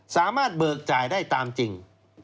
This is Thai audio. เบิกจ่ายได้ตามจริง